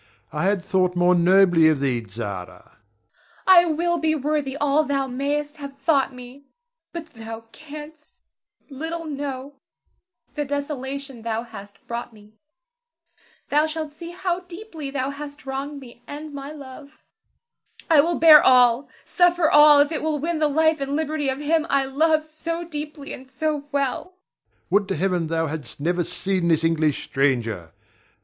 I had thought more nobly of thee, Zara. Zara. I will be worthy all thou mayst have thought me; but thou canst little know the desolation thou hast brought me. Thou shalt see how deeply thou hast wronged me, and my love. I will bear all, suffer all, if it will win the life and liberty of him I love so deeply and so well. Ber. Would to Heaven thou hadst never seen this English stranger!